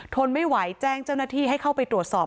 ทนไม่ไหวแจ้งเจ้าหน้าที่ให้เข้าไปตรวจสอบ